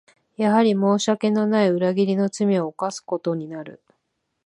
やはり申し訳のない裏切りの罪を犯すことになる